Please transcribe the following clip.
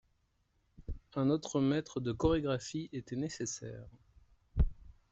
Un autre maître de chorégraphie était nécessaire.